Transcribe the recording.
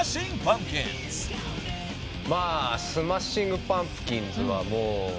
スマッシング・パンプキンズはもう。